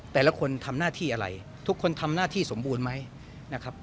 แต่ละคนทำหน้าที่อะไรทุกคนทำหน้าที่สมบูรณ์ไหมนะครับ